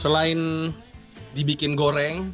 selain dibikin goreng